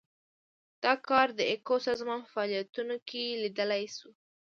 دا کار د ایکو سازمان په فعالیتونو کې لیدلای شو.